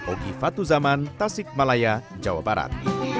ogi fatu zaman tasik malaya jawa barat